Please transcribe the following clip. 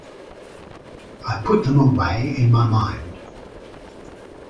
I put them away in my mind.